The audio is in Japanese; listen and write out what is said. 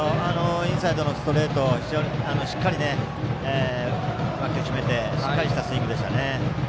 インサイドのストレートをしっかり、わきを閉めてしっかりしたスイングでした。